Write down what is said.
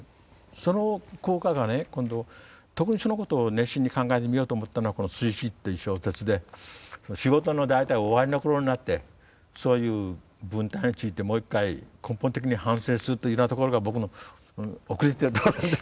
その効果がね今度特にそのことを熱心に考えてみようと思ったのはこの「水死」っていう小説で仕事の大体終わりのころになってそういう文体についてもう一回根本的に反省するというようなところが僕のおくれてるとこなんです。